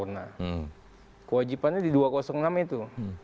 nah kewajibannya di dua ratus enam itu